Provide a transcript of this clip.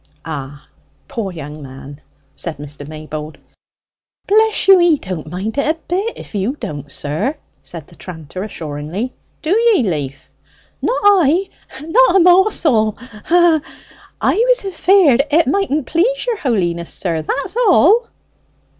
"Ah, poor young man!" said Mr. Maybold. "Bless you, he don't mind it a bit, if you don't, sir," said the tranter assuringly. "Do ye, Leaf?" "Not I not a morsel hee, hee! I was afeard it mightn't please your holiness, sir, that's all."